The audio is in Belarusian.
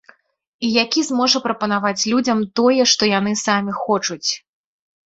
І які зможа прапанаваць людзям тое, што яны самі хочуць.